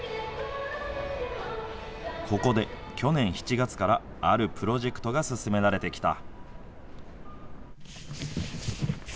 ここで去年７月から、あるプロジェクトが進められてきた。